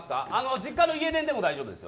実家の家の電話でも大丈夫です。